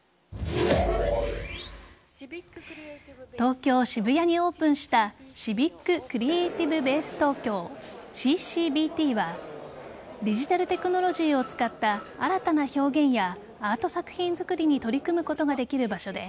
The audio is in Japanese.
東京・渋谷にオープンしたシビック・クリエイティブ・ベース東京＝ＣＣＢＴはデジタルテクノロジーを使った新たな表現やアート作品作りに取り組むことができる場所で